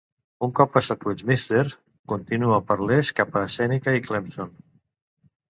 Un cop passat Westminster, continua per l'est cap a Sèneca i Clemson.